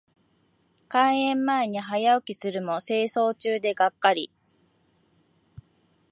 開園日に早起きするも清掃中でがっかり。